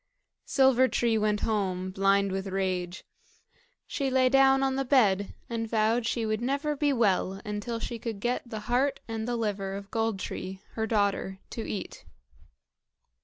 Silver tree went home, blind with rage. She lay down on the bed, and vowed she would never be well until she could get the heart and the liver of Gold tree, her daughter, to eat.